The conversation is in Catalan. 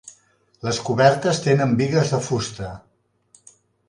Les cobertes tenen bigues de fusta.